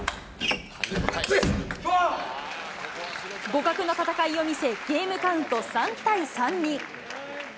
互角の戦いを見せ、ゲームカウント３対３に。